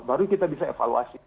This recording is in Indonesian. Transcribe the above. baru kita bisa evaluasi